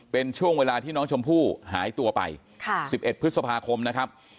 เป็นช่วงเวลาที่น้องชมพู่หายตัวไป๑๑พฤษภาคมนะครับ